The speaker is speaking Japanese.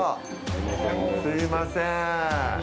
すいません。